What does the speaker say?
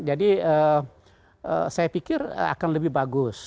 jadi saya pikir akan lebih bagus